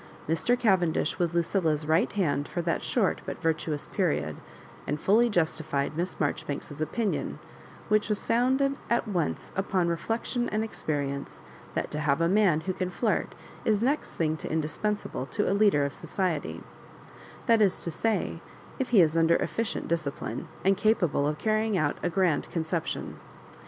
Mr. Cavendish was Lucilla*s right hand for that short but virtuous period, and fully justified Miss Maijoribanks's opinion, which was founded at once upon reflec tion and experience, that to have a man who can flirt is next thing to indispensable to a leader of society; that is to say, if he is under efficient dis cipline, and capable of carrying out a grand con ception.